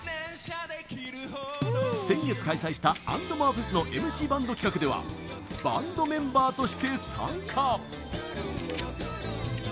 先月、開催した「ａｎｄｍｏｒｅＦＥＳ．」のＭＣバンド企画ではバンドメンバーとして参加。